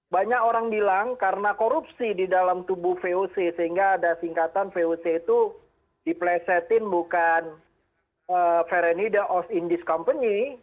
banyak orang bilang karena korupsi di dalam tubuh voc sehingga ada singkatan voc itu diplesetin bukan ferenida of indis company